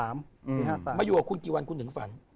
มาอยู่กับคุณกี่วันคุณถึงฝัน